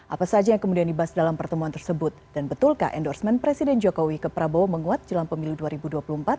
apa saja yang kemudian dibahas dalam pertemuan tersebut dan betulkah endorsement presiden jokowi ke prabowo menguat jelang pemilu dua ribu dua puluh empat